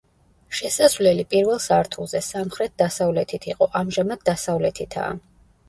შესასვლელი პირველ სართულზე, სამხრეთ-დასავლეთით იყო, ამჟამად დასავლეთითაა.